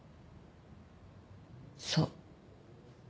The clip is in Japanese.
そう。